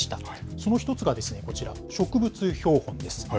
その１つがこちら、植物標本です。